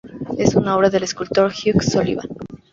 Es una obra del escultor Hugh Sullivan.